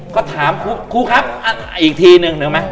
เขาถามครูครับอ้าวอีกทีหนึ่งนึกไหม